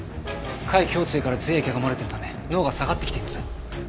下位胸椎から髄液が漏れてるため脳が下がってきています。